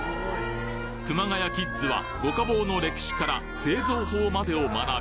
熊谷キッズは五家宝の歴史から製造法までを学び